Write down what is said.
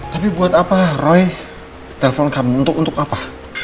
tapi buat apa roy telpon kamu untuk apa